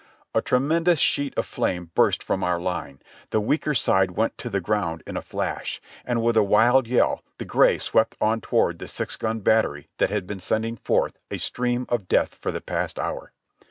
A tremendous sheet of flame burst from our line ; the weaker side went to the ground in a flash, and with a wild yell the Gray swept on toward the six gun battery that had been sending forth a stream of death for the past hour.